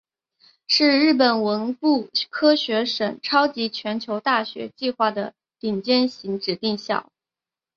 是日本文部科学省超级全球大学计划的顶尖型指定校。